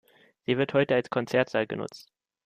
Sie wird heute als Konzertsaal genutzt.